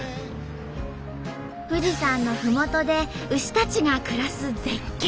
富士山のふもとで牛たちが暮らす絶景。